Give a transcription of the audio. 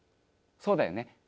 そうだよね。